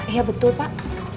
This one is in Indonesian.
iya betul pak